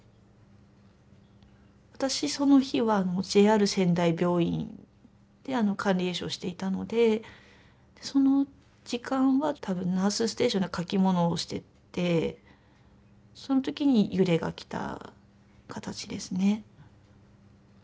私その日はＪＲ仙台病院で管理栄養士をしていたのでその時間は多分ナースステーションで書き物をしててその時に揺れが来た形ですね。